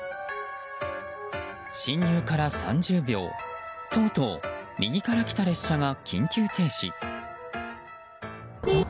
進入から３０秒とうとう右から来た列車が緊急停止。